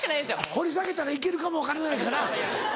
掘り下げたら行けるかも分からないから。